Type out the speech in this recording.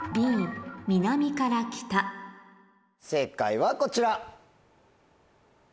正解はこちら。